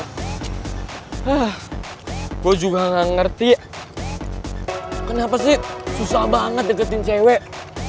hah gue juga gak ngerti kenapa sih susah banget deketin cewek